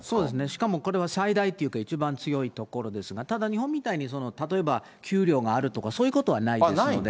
しかもこれは最大っていうか、一番強い所ですが、ただ日本みたいに例えば給料があるとか、そういうことはないです。